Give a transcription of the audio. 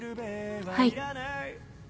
はい。